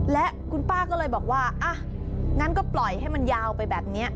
และคุณป้าก็เลยบอกว่าอ่ะงั้นก็ปล่อยให้มันยาวไปแบบนี้